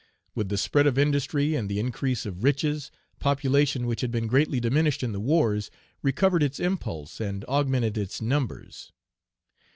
With the spread of industry and the increase of riches, population, which had been greatly diminished in the wars, recovered its impulse and augmented its numbers.